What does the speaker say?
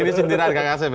ini sindiran kak kasih